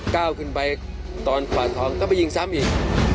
ก้าวขึ้นไปตอนกวาดทองก็ไปยิงซ้ำอีก